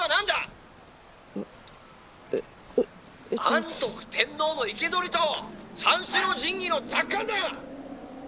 「安徳天皇の生け捕りと三種の神器の奪還だ！